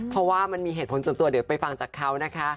เพราะว่ามันมีเหตุผลส่วนตัวเดี๋ยวไปฟังจากเขานะคะ